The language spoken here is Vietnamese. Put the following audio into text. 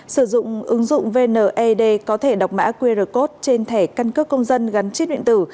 sử dụng ứng dụng vnaed có thể đọc mã qr code trên thẻ căn cước công dân gắn chít nguyện tử